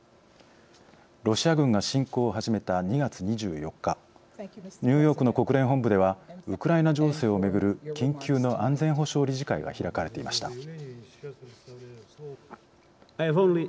ロシア軍が侵攻を始めた２月２４日ニューヨークの国連本部ではウクライナ情勢をめぐる緊急の安全保障理事会が開かれていました。